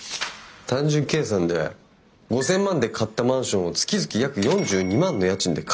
単純計算で５，０００万で買ったマンションを月々約４２万の家賃で貸すってことっすよ。